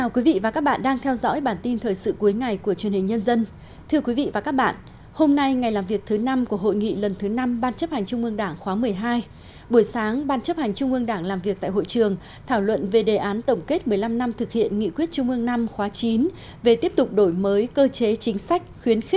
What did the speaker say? các bạn hãy đăng ký kênh để ủng hộ kênh của chúng mình nhé